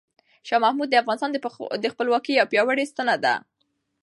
شاه محمود د افغانستان د خپلواکۍ یو پیاوړی ستنه وه.